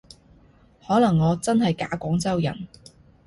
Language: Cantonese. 可能我真係假廣州人